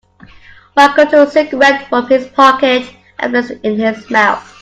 Michael took a cigarette from his pocket and placed it in his mouth.